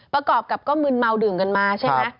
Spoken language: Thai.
ประกอบกับก็มึนเมาดื่มกันมาใช่ไหม